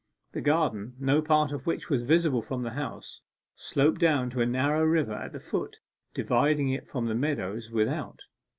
The garden, no part of which was visible from the house, sloped down to a narrow river at the foot, dividing it from the meadows without.